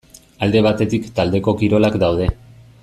Alde batetik taldeko kirolak daude.